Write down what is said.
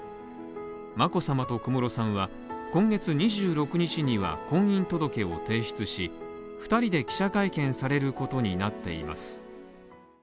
眞子さまと小室さんは今月２６日には、婚姻届を提出し２人で記者会見されることになっています。